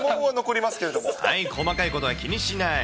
細かいことは気にしない。